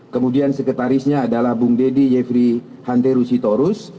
kemudian sekretarisnya adalah bung dedi yefri hante rusitorus